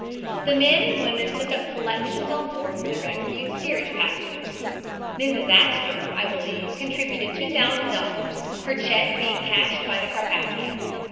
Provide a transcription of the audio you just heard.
The men and women took up collections on board for the rescued steerage passengers. Mrs. Astor, I believe, contributed $2000, her check being cashed by the Carpathia.